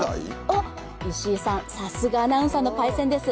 おっ、石井さん、さすがアナウンサーのパイセンです。